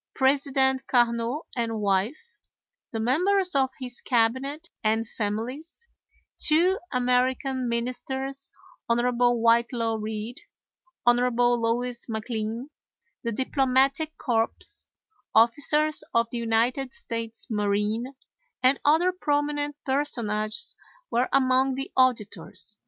President Carnot and wife, the members of his cabinet, and families; two American ministers, Hon. Whitelaw Reid, Hon. Louis MacLean; the Diplomatic Corps, officers of the United States Marine, and other prominent personages were among the auditors.